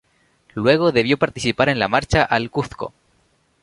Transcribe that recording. Luego debió participar en la marcha al Cuzco.